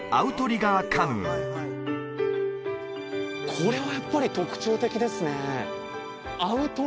これはやっぱり特徴的ですね